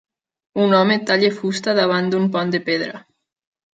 Un home talla fusta davant d'un pont de pedra.